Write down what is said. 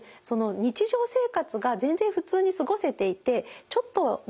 日常生活が全然普通に過ごせていてちょっとね